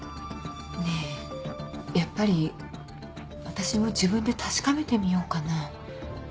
ねえやっぱり私も自分で確かめてみようかな？